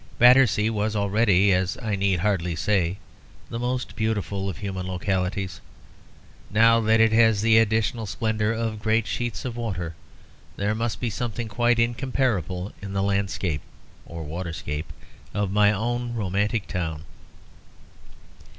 Battersea was already, as I need hardly say, the most beautiful of human localities. Now that it has the additional splendour of great sheets of water, there must be something quite incomparable in the landscape (or waterscape) of my own romantic town.